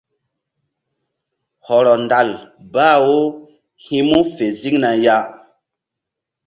Hɔrɔ ndal bah wo hi̧ mu fe ziŋna ya.